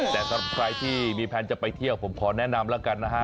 แต่สำหรับใครที่มีแพลนจะไปเที่ยวผมขอแนะนำแล้วกันนะฮะ